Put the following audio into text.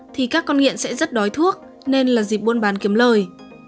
thì các con nghiện sẽ rất đói thuốc nên là dịp buôn bán kiếm lời